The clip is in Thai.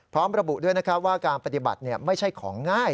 พร้อมระบุด้วยนะครับว่าการปฏิบัติไม่ใช่ของง่าย